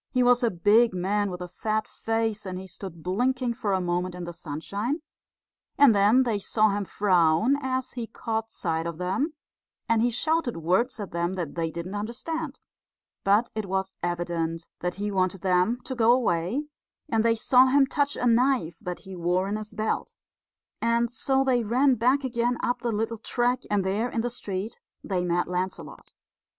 He was a big man with a fat face, and he stood blinking for a moment in the sunshine; and then they saw him frown as he caught sight of them; and he shouted words at them that they didn't understand. But it was evident that he wanted them to go away, and they saw him touch a knife that he wore in his belt; and so they ran back again up the little track, and there in the street they met Lancelot.